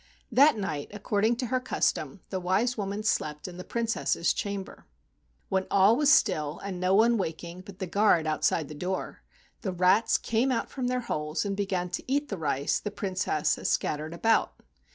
That night, according to her custom, the wise woman slept in the Princess's chamber. When all was still, and no one waking but the guard outside the door, the rats came out from their holes and began to eat the rice the Prin¬ cess had scattered about.